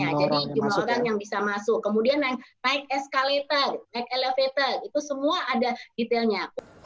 jadi jumlah orang yang bisa masuk kemudian yang naik eskalator naik elevator itu semua ada detailnya